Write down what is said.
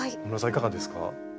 いかがですか？